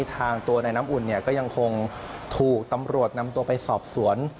ตัวในน้ำอุ่นก็ยังคงถูกตำรวจนำตัวไปสอบสวน